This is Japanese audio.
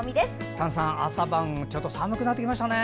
丹さん、朝晩ちょっと寒くなってきましたね。